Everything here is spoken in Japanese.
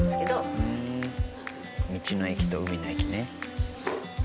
道の駅と海の駅ね。